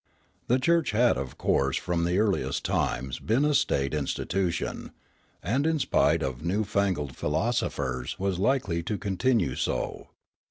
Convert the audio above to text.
The church had of course from the earliest times been a state institution ; and in spite of new fangled philosophers was likely to continue so.